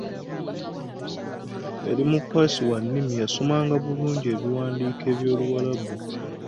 Yali mukwasi wa nnimi yasomanga bulungi ebiwandiiko by'Oluwarabu.